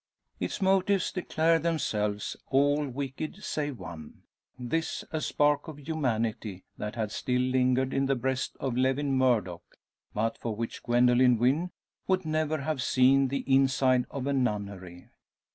Its motives declare themselves; all wicked save one. This a spark of humanity that had still lingered in the breast of Lewin Murdock; but for which Gwendoline Wynn would never have seen the inside of a nunnery.